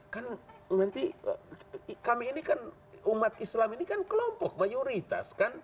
kan nanti kami ini kan umat islam ini kan kelompok mayoritas kan